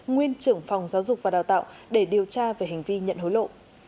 nguyên trưởng phòng giáo dục và đào tạo để điều tra về hành vi nhận hối lộ